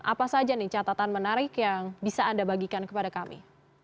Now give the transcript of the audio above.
apa saja nih catatan menarik yang bisa anda bagikan kepada kami